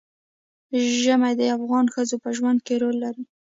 ژمی د افغان ښځو په ژوند کې رول لري.